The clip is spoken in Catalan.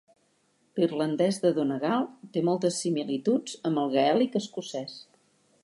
L'irlandès de Donegal té moltes similituds amb el gaèlic escocès.